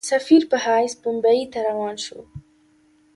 سفیر په حیث بمبیی ته روان سي.